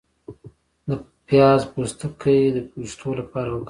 د پیاز پوستکی د ویښتو لپاره وکاروئ